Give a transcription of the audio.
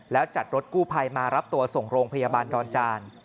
แล้วจัดรถกู้ภัยมารับตัวส่งโรงพยาบาลดอนจาน